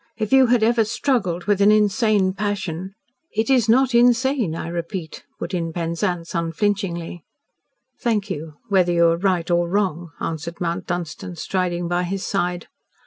If you had ever struggled with an insane passion " "It is not insane, I repeat," put in Penzance unflinchingly. "Thank you whether you are right or wrong," answered Mount Dunstan, striding by his side.